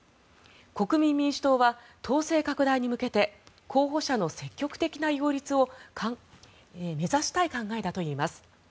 国民民主党は党勢拡大に向けて候補者の積極的な擁立を目指したい考えだといいます。